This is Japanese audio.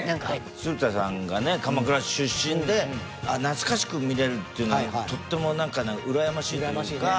鶴田さんがね鎌倉出身で懐かしく見れるっていうのがとてもうらやましいというか。